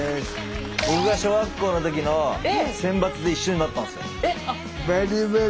僕が小学校の時の選抜で一緒になったんすよ。